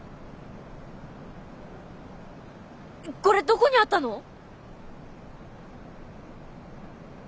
これどこにあったの？